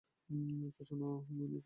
কিছুনা মানে কী?